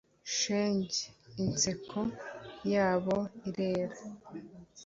shenge inseko yabo irera